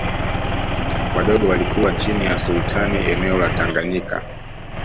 Wadogo walikuwa chini ya Sultani eneo la Tanganyika